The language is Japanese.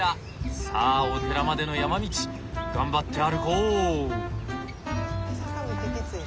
さあお寺までの山道頑張って歩こう。